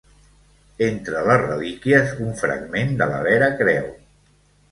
Entre les relíquies, un fragment de la Vera Creu.